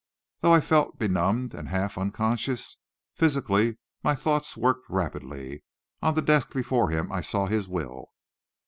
Though I felt benumbed and half unconscious, physically, my thoughts worked rapidly. On the desk before him I saw his will."